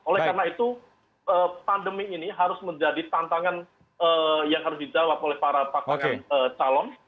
oleh karena itu pandemi ini harus menjadi tantangan yang harus dijawab oleh para pasangan calon